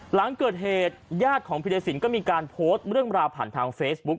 หลังเกิดเหตุญาติของพิรสินก็มีการโพสต์เรื่องราวผ่านทางเฟซบุ๊ค